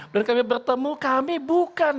dan kami bertemu kami bukan